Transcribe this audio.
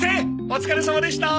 お疲れさまでした！